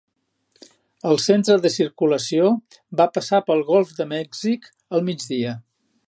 El centre de circulació va passar pel Golf de Mèxic al migdia.